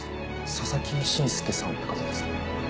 佐々木慎介さんって方です。